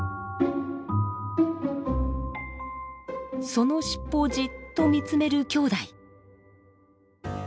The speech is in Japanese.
その尻尾をじっと見つめるきょうだい。